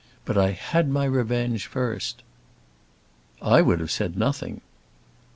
But I had my revenge first." "I would have said nothing."